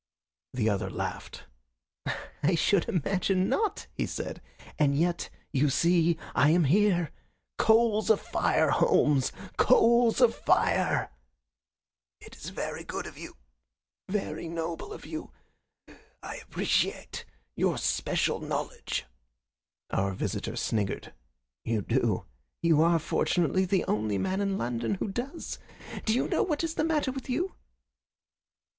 The other laughed. "I should imagine not," he said. "And yet, you see, I am here. Coals of fire, Holmes coals of fire!" "It is very good of you very noble of you. I appreciate your special knowledge." Our visitor sniggered. "You do. You are, fortunately, the only man in London who does. Do you know what is the matter with you?"